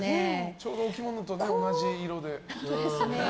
ちょうどお着物と同じ色で。